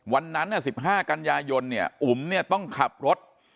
วันนั้น๑๕กันยายนเนี่ยอุ๋มเนี่ยต้องขับรถ